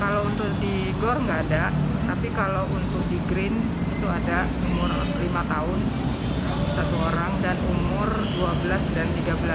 kalau untuk di gor nggak ada tapi kalau untuk di green itu ada umur lima tahun satu orang dan umur dua belas dan tiga belas